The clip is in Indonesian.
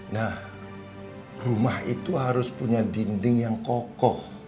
nah rumah itu harus punya dinding yang kokoh